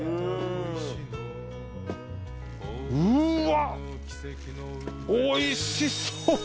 うわっおいしそう。